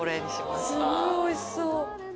すごいおいしそう。